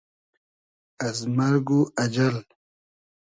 از مئرگ و اجئل